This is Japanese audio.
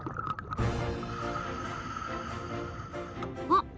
あっ！